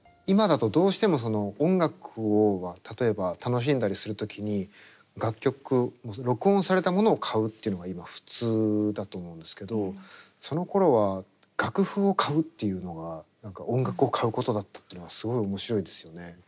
今だとどうしても音楽を例えば楽しんだりする時に楽曲録音されたものを買うっていうのが今普通だと思うんですけどそのころは楽譜を買うっていうのが何か音楽を買うことだったっていうのがすごい面白いですよね。